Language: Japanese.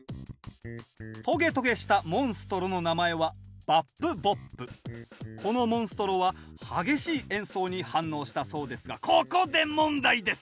トゲトゲしたモンストロの名前はこのモンストロは激しい演奏に反応したそうですがここで問題です！